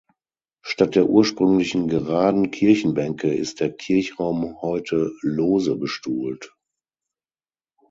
Statt der ursprünglichen geraden Kirchenbänke ist der Kirchraum heute lose bestuhlt.